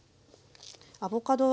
アボカド